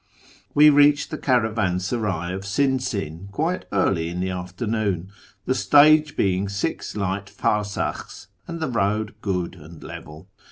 We reached the caravansaray of Sinsin quite early in the afternoon, the stage being six light farsakhs, and the road good and level.